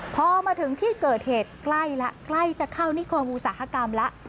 พอมาถึงที่เกิดเหตุใกล้แล้วใกล้จะเข้านิคมอุตสาหกรรมแล้ว